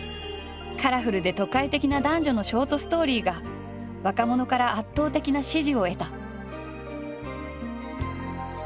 カラフルで都会的な男女のショートストーリーが若者から圧倒的な支持を得た。